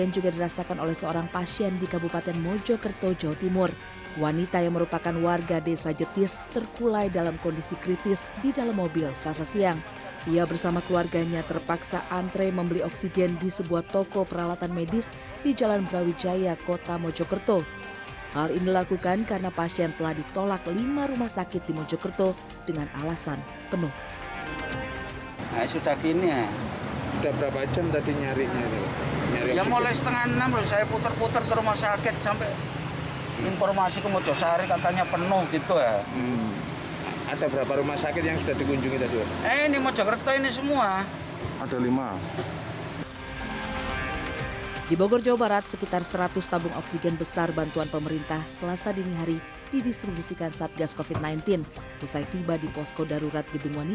jadi kerajaan hostile siap untuk memberikan bantuan